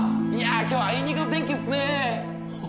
今日はあいにくの天気っすね。